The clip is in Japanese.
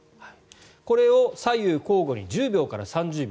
これを左右交互に１０秒から３０秒。